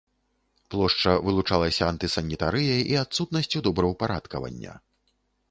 Плошча вылучалася антысанітарыяй і адсутнасцю добраўпарадкавання.